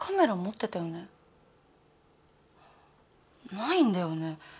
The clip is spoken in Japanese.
ないんだよね